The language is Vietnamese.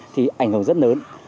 thì ảnh hưởng rất lớn